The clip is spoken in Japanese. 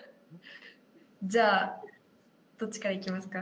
じゃあどっちからいきますか？